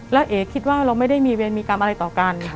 แล้วเอ๋คิดว่าเราไม่ได้มีเวรมีกรรมอะไรต่อกัน